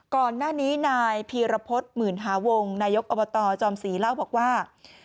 ก่อนหน้านี้นายพีรพฤษหมื่นหาวงนายกอบตจอมศรีเล่าบอกว่า